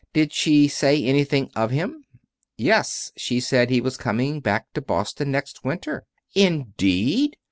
"Did she say anything of him?" "Yes. She said he was coming back to Boston next winter." "Indeed!"